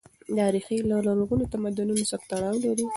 دا ريښې له لرغونو تمدنونو سره تړاو لري.